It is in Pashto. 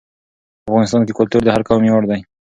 په افغانستان کې کلتور د هر قوم ویاړ دی.